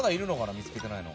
見つけてないの。